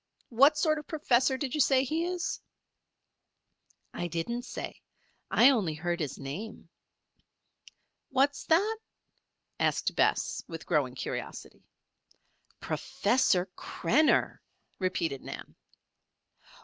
What sort of professor did you say he is?" "I didn't say. I only heard his name." "What's that?" asked Bess, with growing curiosity. "Professor Krenner," repeated Nan.